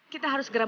kita bisa kenar